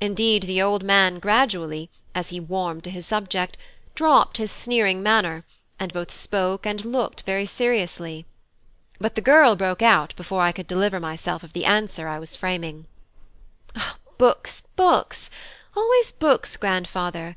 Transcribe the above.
Indeed, the old man gradually, as he warmed to his subject, dropped his sneering manner, and both spoke and looked very seriously. But the girl broke out before I could deliver myself of the answer I was framing: "Books, books! always books, grandfather!